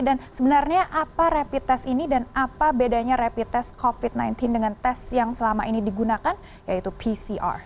dan sebenarnya apa rapid test ini dan apa bedanya rapid test covid sembilan belas dengan test yang selama ini digunakan yaitu pcr